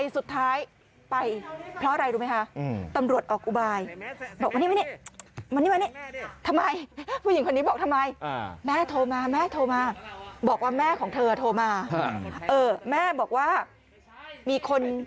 สุดท้ายไป